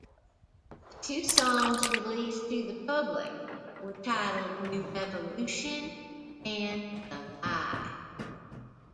The two songs released to the public were titled "New Revolution" and "The Lie".